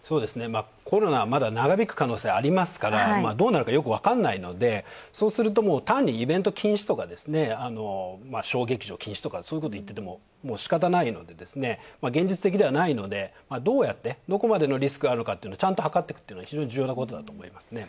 コロナはまだ長引く可能性がありますからどうなるかよく分かんないのでそうすると、単にイベント禁止とか小劇場禁止とか、そういうことを言っててもしかたないので、現実的ではないのでどうやって、どこまでのリスクがあるかっていうのをちゃんと、はかっていくというのは非常に重要なことだと思いますね。